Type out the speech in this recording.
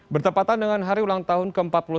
bertempatan dengan hari ulang tahun ke empat puluh satu